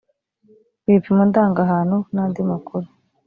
ibipimo ndangahantu n andi makuru